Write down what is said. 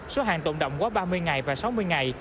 số hàng tồn động quá ba mươi ngày và sáu mươi ngày